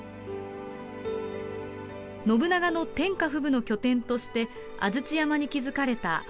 信長の天下布武の拠点として安土山に築かれた安土城。